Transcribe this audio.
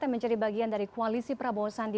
yang menjadi bagian dari koalisi prabowo sandi